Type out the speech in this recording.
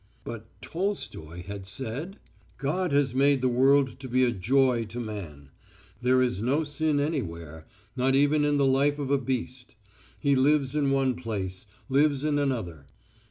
But Tolstoy had said: "God has made the world to be a joy to man. There is no sin anywhere, not even in the life of a beast. He lives in one place, lives in another.